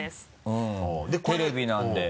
うんテレビなんで。